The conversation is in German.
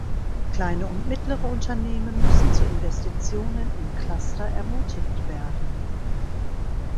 Kleine und mittlere Unternehmen müssen zu Investitionen in Cluster ermutigt werden.